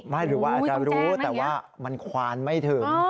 หรือว่าอาจจะรู้แต่ว่ามันควานไม่ถึง